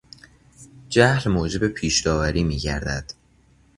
جهل موجب پیش داوری میگردد.